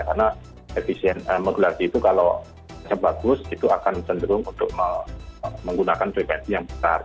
karena modulasi itu kalau sebagus itu akan cenderung untuk menggunakan tv yang besar